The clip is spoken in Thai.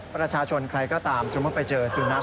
ประชาชนใครก็ตามสมมุติไปเจอสุนัข